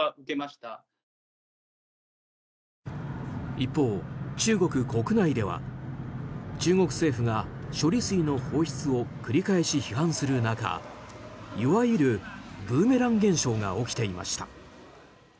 一方、中国国内では中国政府が処理水の放出を繰り返し批判する中いわゆるブーメラン現象が起きていました。